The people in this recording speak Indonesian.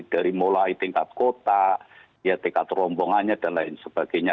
dari mulai tingkat kota ya tingkat rombongannya dan lain sebagainya